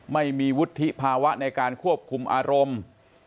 ไม่มีวุฒิภาวะในการควบคุมอารมณ์